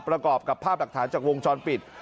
ประกอบกับภาพหลักฐานจากวงจรปิด